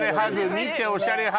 見ておしゃれハグ。